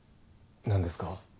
何ですか？